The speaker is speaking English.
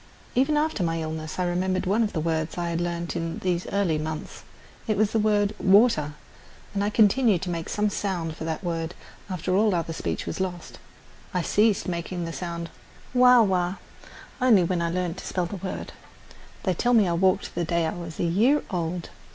Even after my illness I remembered one of the words I had learned in these early months. It was the word "water," and I continued to make some sound for that word after all other speech was lost. I ceased making the sound "wah wah" only when I learned to spell the word. They tell me I walked the day I was a year old.